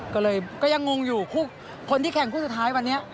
ก็เลยก็ยังงงอยู่คนที่แข่งคู่สุดท้ายวันนี้